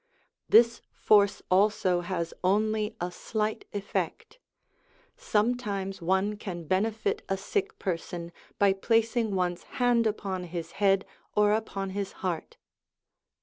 This force also has only a slight effect. Sometimes one can benefit a sick person by placing one's hand upon his head or upon his heart.